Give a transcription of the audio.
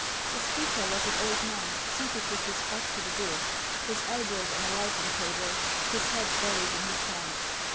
The speaker was an old man, seated with his back to the door, his elbows on a writing table, his head buried in his hands.